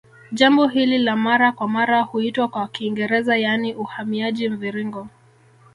Jambo hili la mara kwa mara huitwa kwa Kiingereza yaani uhamiaji mviringo